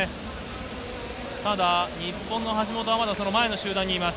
ただ日本の橋本は前の集団にいます。